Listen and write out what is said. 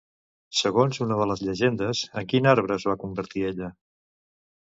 Segons una de les llegendes en quin arbre es va convertir ella?